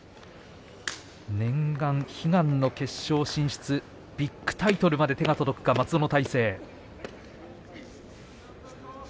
念願悲願の決勝進出ビッグタイトルまで手が届くか松園大成。